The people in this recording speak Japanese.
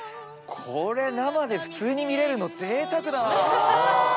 これ生で普通に見れるのぜいたくだな。